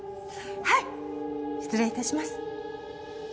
はい失礼いたします。